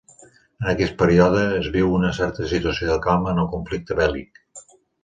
En aquest període, és viu una certa situació de calma en el conflicte bèl·lic.